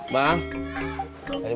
bang dari mana lu din